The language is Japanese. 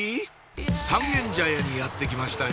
三軒茶屋にやって来ましたよ